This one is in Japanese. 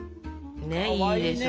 ねっいいでしょ！